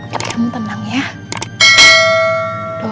kat kamu tenang ya